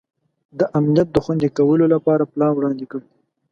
د امنیت د خوندي کولو لپاره پلان وړاندي کړ.